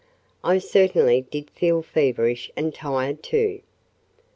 I certainly did feel feverish and tired too.